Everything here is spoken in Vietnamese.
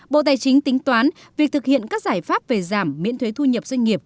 bộ tài chính tính toán việc thực hiện các giải pháp về giảm miễn thuế thu nhập doanh nghiệp